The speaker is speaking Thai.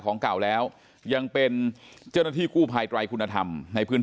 ของเก่าแล้วยังเป็นเจ้าหน้าที่กู้ภัยไตรคุณธรรมในพื้น